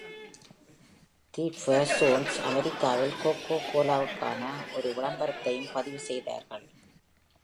தி fortunes, அமெரிக்காவில் கோகோ-கோலா-வுக்கான ஒரு விளம்பரத்தையும் பதிவுசெய்தார்கள்.